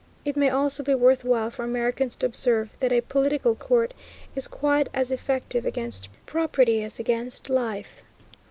It may also be worth while for Americans to observe that a political court is quite as effective against property as against life.